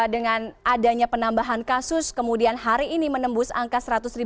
dengan adanya penambahan kasus kemudian hari ini menembus angka seratus tiga ratus tiga